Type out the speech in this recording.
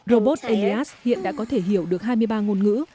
robot elias hiện đã có thể hiểu được hai mươi ba ngôn ngữ